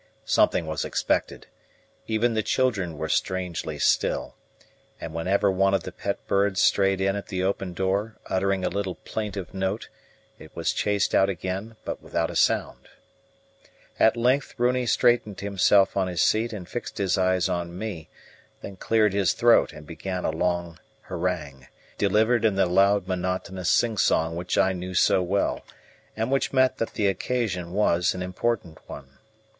Something was expected; even the children were strangely still, and whenever one of the pet birds strayed in at the open door, uttering a little plaintive note, it was chased out again, but without a sound. At length Runi straightened himself on his seat and fixed his eyes on me; then cleared his throat and began a long harangue, delivered in the loud, monotonous singsong which I knew so well and which meant that the occasion was an important one.